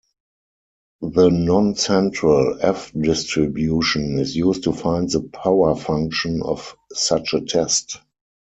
The noncentral "F"-distribution is used to find the power function of such a test.